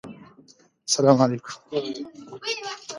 تودوخه د افغانستان د اقلیمي نظام یوه ښکاره ښکارندوی ده.